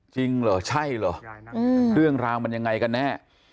จริงเหรอใช่เหรอเรื่องราวมันยังไงกันแน่